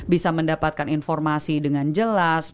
bisa mendapatkan informasi dengan jelas